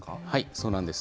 そうなんです。